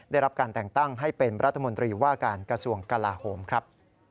ได้รับการแต่งตั้งให้เป็นรัฐมนตรีว่าการกระทรวงกลาโหมครับ